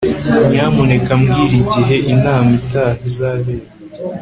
Nyamuneka mbwira igihe inama itaha izabera